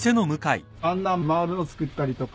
あんな回るの作ったりとか。